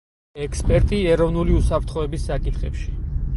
ექსპერტი ეროვნული უსაფრთხოების საკითხებში.